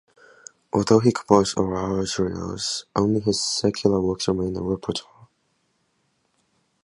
Although he composed oratorios, only his secular works remain in the repertoire.